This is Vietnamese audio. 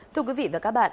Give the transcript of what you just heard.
thưa quý vị và các bạn